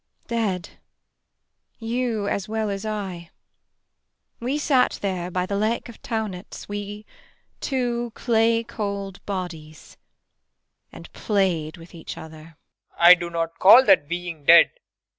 Dead, you as well as I. We sat there by the Lake of Taunitz, we two clay cold bodies and played with each other. PROFESSOR RUBEK. I do not call that being dead.